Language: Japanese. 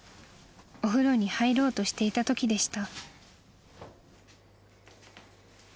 ［お風呂に入ろうとしていたときでした］